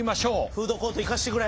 フードコート行かしてくれ。